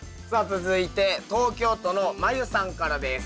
続いて東京都のまゆさんからです。